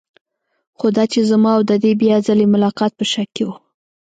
خو دا چې زما او د دې بیا ځلې ملاقات په شک کې و.